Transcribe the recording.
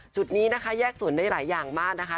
จุดนี้นะคะแยกส่วนได้หลายอย่างมากนะคะ